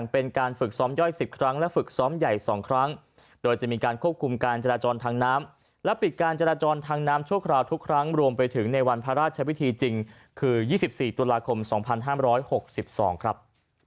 เป็นการการควบคุมการจราจรทางน้ำและปิดการจราจรทางน้ำช่วงคราวทุกครั้งรวมไปถึงในวันพระราชวิธีจริงคือ๒๔ตุลาคม๒๕๖๒ครับ